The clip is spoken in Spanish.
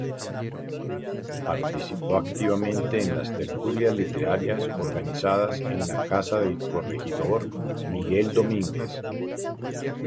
Participó activamente en las tertulias literarias organizadas en la casa del corregidor Miguel Domínguez.